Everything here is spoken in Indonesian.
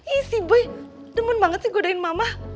ih si boy demen banget sih godain mama